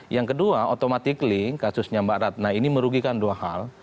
yang kedua otomatik kasusnya mbak ratna ini merugikan dua hal